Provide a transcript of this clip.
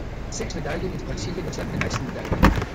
Mit sechs Medaillen ist Brasilien das Land mit den meisten Medaillen.